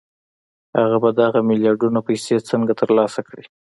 هغه به دغه میلیاردونه پیسې څنګه ترلاسه کړي